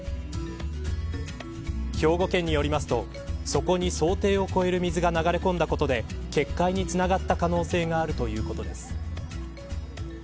兵庫県によりますとそこに想定を超える水が流れ込んだことで決壊につながった可能性があるということです。